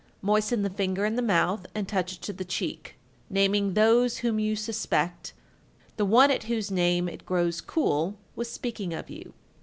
Moisten the finger in the mouth and touch it to the cheek, naming those whom you suspect; the one at whose name it grows cool was speaking of you.